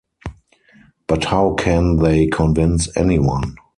But how can they convince anyone?